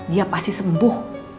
dia pasti sembuh